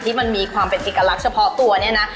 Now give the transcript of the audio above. ที่มันมีความเป็นเอกลักษณ์เฉพาะตัวเนี่ยนะ